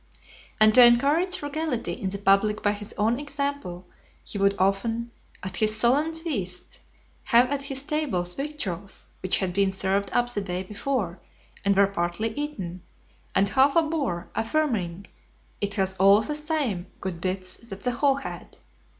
And to encourage frugality in the public by his own example, he would often, at his solemn feasts, have at his tables victuals which had been served up the day before, and were partly eaten, and half a boar, affirming, "It has all the same good bits that the whole had."